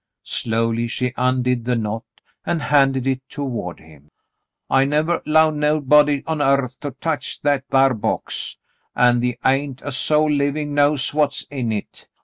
Slowly she undid the knot, and handed it toward him. *'I nevah *low nobody on earth to touch that thar box, an' the' ain't a soul livin' knows what's in hit.